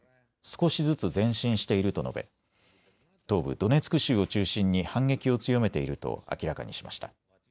少しずつ前進していると述べ、東部ドネツク州を中心に反撃を強めていると明らかにしました。